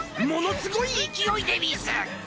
ものすごい勢いでうぃす。